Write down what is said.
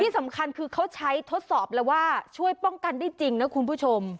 สำคัญคือเขาใช้ทดสอบแล้วว่าช่วยป้องกันได้จริงนะคุณผู้ชม